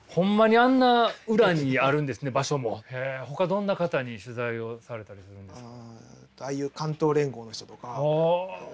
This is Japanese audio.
ほかどんな方に取材をされたりするんですか？